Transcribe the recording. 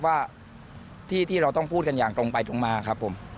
ว่าที่เราต้องพูดกันอย่างตรงไปตรงมาครับผม